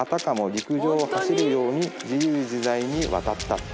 陸上を走るように自由自在に渡った。